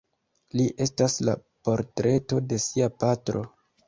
Li estas la portreto de sia patro.